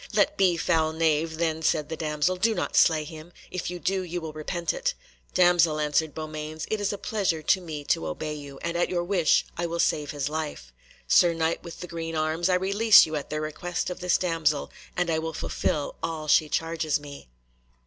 "Let be, foul knave," then said the damsel, "do not slay him. If you do, you will repent it." "Damsel," answered Beaumains, "it is a pleasure to me to obey you, and at your wish I will save his life. Sir Knight with the green arms, I release you at the request of this damsel, and I will fulfil all she charges me."